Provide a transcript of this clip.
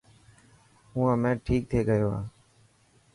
هون همي ٺيڪ ٿي گيو هان